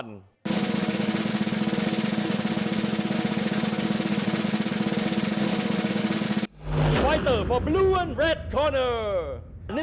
ดาบดำเล่นงานบนเวลาตัวด้วยหันขวา